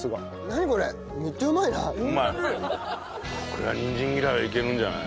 これはにんじん嫌いいけるんじゃない？